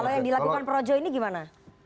kalau yang dilakukan projo ini gimana